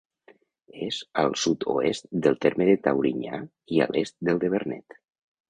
És al sud-oest del terme de Taurinyà i a l'est del de Vernet.